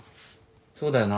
そうだよな。